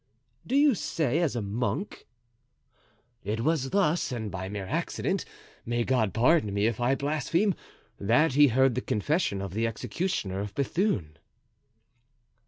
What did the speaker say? "Do you say as a monk?" "It was thus, and by mere accident—may God pardon me if I blaspheme—that he heard the confession of the executioner of Bethune."